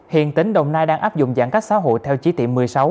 hiện tính đồng nai đang áp dụng giãn cách xã hội theo chí tiệm một mươi sáu